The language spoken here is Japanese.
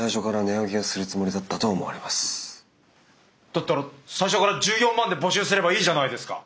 だったら最初から１４万で募集すればいいじゃないですか。